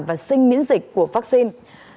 và sinh miễn dịch của vaccine